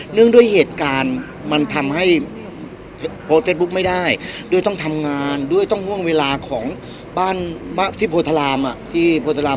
เรื่องด้วยเหตุการณ์มันทำให้โพสต์เฟสบุ๊กไม่ได้ด้วยต้องทำงานด้วยต้องห่วงเวลาของบ้านที่โพธารามที่โพธาราม